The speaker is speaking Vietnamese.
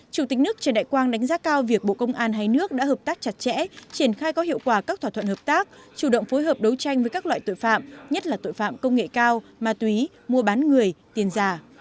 chủ tịch nước trần đại quang đánh giá cao việc bộ công an hai nước đã hợp tác chặt chẽ triển khai có hiệu quả các thỏa thuận hợp tác chủ động phối hợp đấu tranh với các loại tội phạm nhất là tội phạm công nghệ cao ma túy mua bán người tiền giả